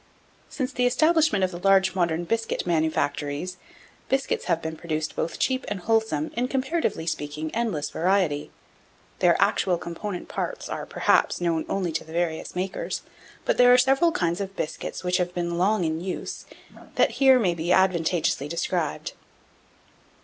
1712. Since the establishment of the large modern biscuit manufactories, biscuits have been produced both cheap and wholesome, in, comparatively speaking, endless variety. Their actual component parts are, perhaps, known only to the various makers; but there are several kinds of biscuits which have long been in use, that may here be advantageously described.